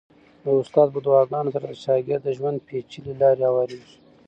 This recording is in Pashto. د استاد په دعاګانو سره د شاګرد د ژوند پېچلې لارې هوارېږي.